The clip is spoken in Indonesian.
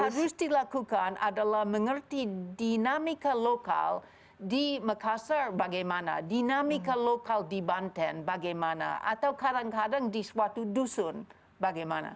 yang harus dilakukan adalah mengerti dinamika lokal di makassar bagaimana dinamika lokal di banten bagaimana atau kadang kadang di suatu dusun bagaimana